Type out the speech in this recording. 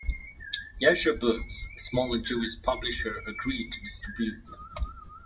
Yashar Books, a smaller Jewish publisher, agreed to distribute them.